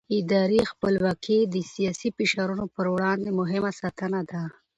اداري خپلواکي د سیاسي فشارونو پر وړاندې مهمه ساتنه ده